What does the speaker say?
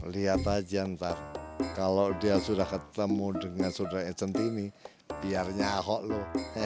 lihat aja ntar kalau dia sudah ketemu dengan saudara inge cantini biarnya ahok lo